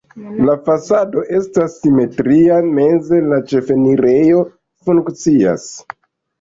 La fasado estas simetria, meze la ĉefenirejo funkcias.